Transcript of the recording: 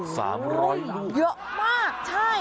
สามร้อยลูกโอ้โฮเยอะมากใช่